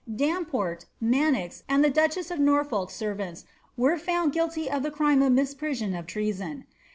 Damport, Manox, and the duchess of Norfolk's servants, were found guilty of the crime of misprision of treason.